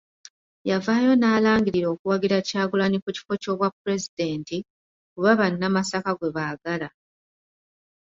Yavaayo n'alangirira okuwagira Kyagulanyi ku kifo ky'obwapulezidenti, kuba bannamasaka gwe baagala.